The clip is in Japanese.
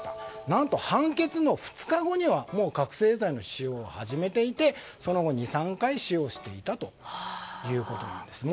何と判決の２日後にはもう覚醒剤の使用を始めていてその後、２、３回使用していたということです。